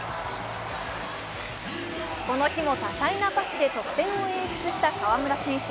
この日も多彩なパスで得点を演出した河村選手。